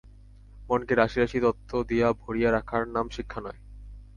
মনকে রাশি রাশি তথ্য দিয়া ভরিয়া রাখার নাম শিক্ষা নয়।